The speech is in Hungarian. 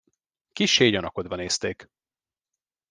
Kissé gyanakodva nézték.